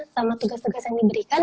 sama tugas tugas yang diberikan